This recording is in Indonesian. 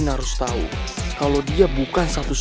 masuk masuk masuk